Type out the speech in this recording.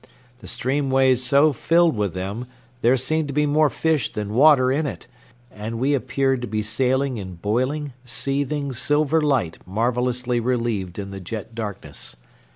The stream ways so filled with them there seemed to be more fish than water in it, and we appeared to be sailing in boiling, seething silver light marvelously relieved in the jet darkness.